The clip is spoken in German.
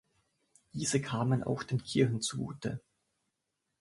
Diese kamen auch den Kirchen zugute.